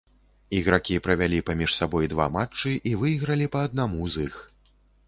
Ігракі правялі паміж сабой два матчы і выйгралі па аднаму з іх.